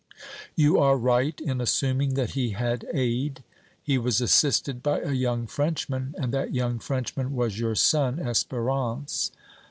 You are right in assuming that he had aid. He was assisted by a young Frenchman, and that young Frenchman was your son, Espérance.